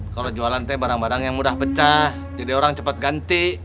kalau jualan tapi barang barang yang mudah pecah jadi orang cepat ganti